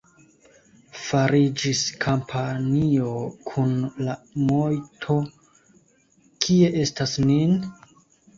Fariĝis kampanjo kun la moto: «Kie estas Nin?».